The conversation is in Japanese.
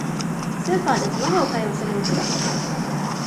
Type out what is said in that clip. スーパーで卵を買い忘れました。